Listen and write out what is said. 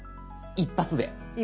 一発で。